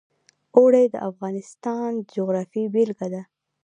اوړي د افغانستان د جغرافیې بېلګه ده.